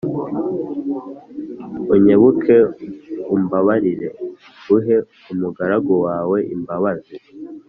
Unkebuke umbabarire Uhe umugaragu wawe imbabazi